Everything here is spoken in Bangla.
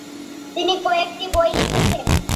তিনি কয়েকটি বই লিখেছেন।